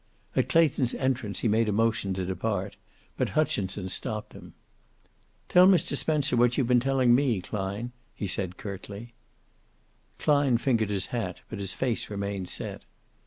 At Clayton's entrance he made a motion to depart, but Hutchinson stopped him. "Tell Mr. Spencer what you've been telling me, Klein," he said curtly. Klein fingered his hat, but his face remained set.